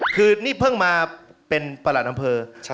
คือนี่เพิ่งมาเป็นประหลัดอำเภอ